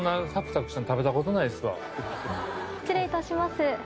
失礼いたします。